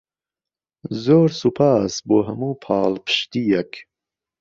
زۆر سوپاس بۆ هەموو پاڵپشتییەک.